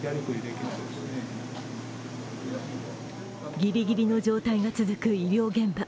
ぎりぎりの状態が続く医療現場。